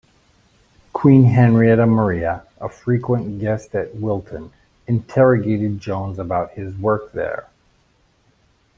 Queen Henrietta Maria, a frequent guest at Wilton, interrogated Jones about his work there.